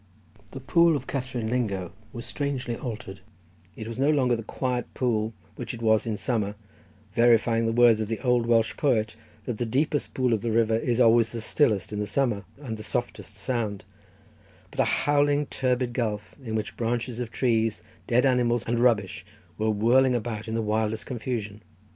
The pool of Catherine Lingo was strangely altered; it was no longer the quiet pool which it was in summer, verifying the words of the old Welsh poet that the deepest pool of the river is always the stillest in the summer and of the softest sound, but a howling turbid gulf, in which branches of trees, dead animals, and rubbish were whirling about in the wildest confusion.